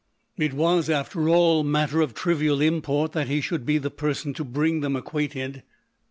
It was, after all, matter of trivial import that he should be the person to bring them acquainted.